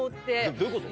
どういうこと？